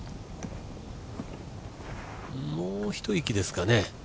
もう一息ですかね。